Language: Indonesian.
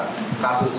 seorang yang tidak biasa